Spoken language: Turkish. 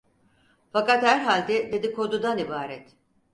Fakat herhalde dedikodudan ibaret.